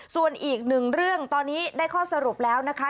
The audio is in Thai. ส่วนอีกหนึ่งเรื่องตอนนี้ได้ข้อสรุปแล้วนะคะ